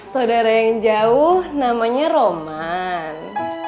saudara yang jauh namanya roman